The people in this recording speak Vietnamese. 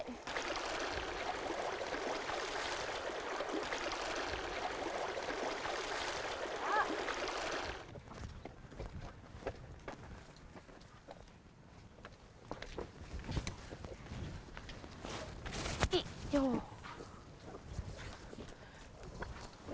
thật quá lạnh quá